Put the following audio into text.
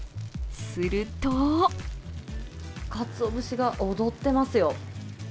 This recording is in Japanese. するとかつお節が踊ってますよ。